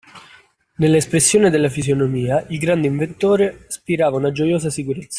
Nella espressione della fisonomia il grande inventore spirava una gioiosa sicurezza.